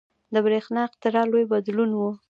• د برېښنا اختراع لوی بدلون و.